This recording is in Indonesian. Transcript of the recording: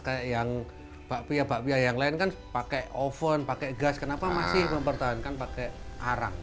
kayak yang bakpia bakpia yang lain kan pakai oven pakai gas kenapa masih mempertahankan pakai arang